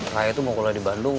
raya tuh mau kuliah di bandung